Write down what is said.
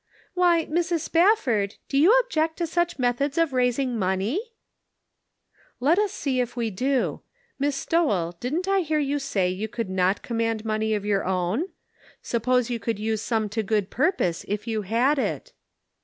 "Why, Mrs. Spafford, do you object to such methods of raising money?" " Let us see if we do. Miss Stowell, didn't I hear you say that you could riot command 246 The Pocket Measure. money of your own? Suppose you could use some to good purpose if you had it